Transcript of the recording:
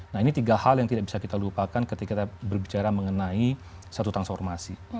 nah ini tiga hal yang tidak bisa kita lupakan ketika kita berbicara mengenai satu transformasi